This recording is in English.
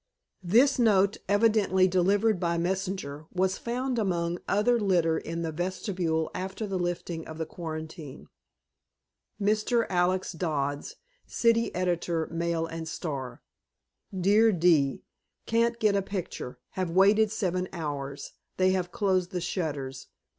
THIS NOTE, EVIDENTLY DELIVERED BY MESSENGER, WAS FOUND AMONG OTHER LITTER IN THE VESTIBULE AFTER THE LIFTING OF THE QUARANTINE. Mr. Alex Dodds, City Editor, Mail and Star: Dear D. Can't get a picture. Have waited seven hours. They have closed the shutters.